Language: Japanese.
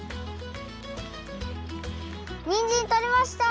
にんじんとれました！